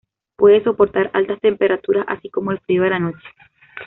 Puede soportar altas temperaturas, así como el frío de la noche.